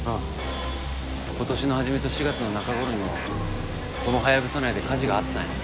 今年の始めと４月の中頃にもこのハヤブサ内で火事があったんや。